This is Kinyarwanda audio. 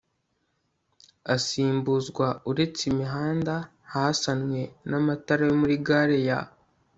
asimbuzwa Uretse imihanda hasanwe n amatara yo muri Gare ya